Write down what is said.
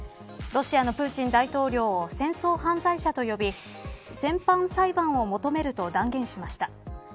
ロシアのプーチン大統領を戦争犯罪者と呼び戦犯裁判を求めると断言しました。